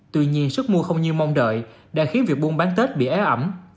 tuy nhiên sức mua không như mong đợi đã khiến việc buôn bán tết bị é ẩm